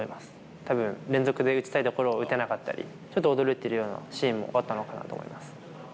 たぶん、連続で打ちたいところを打てなかったり、ちょっと驚いているようなシーンもあったのかなと思います。